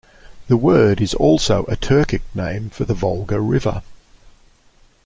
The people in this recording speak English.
The word is also a Turkic name for the Volga River.